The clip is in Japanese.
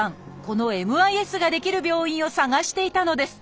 このＭＩＳができる病院を探していたのです。